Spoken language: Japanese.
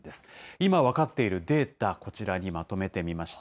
今分かっているデータ、こちらにまとめてみました。